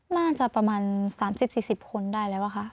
น่าจะประมาณ๓๐๔๐คนได้แล้วค่ะ